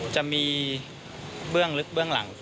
จะมีเบื้องลึกเบื้องหลัง